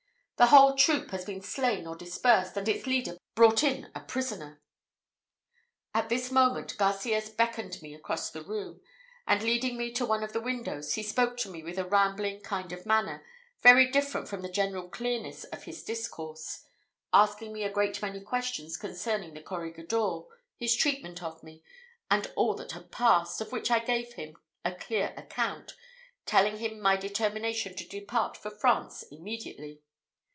The whole troop has been slain or dispersed, and its leader brought in a prisoner." At this moment Garcias beckoned me across the room, and leading me to one of the windows, he spoke to me with a rambling kind of manner, very different from the general clearness of his discourse, asking me a great many questions concerning the corregidor, his treatment of me, and all that had passed, of which I gave him a clear account, telling him my determination to depart for France immediately.